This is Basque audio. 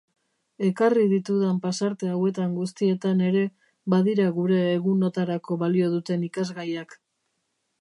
Ekarri ditudan pasarte hauetan guztietan ere badira gure egunotarako balio duten ikasgaiak.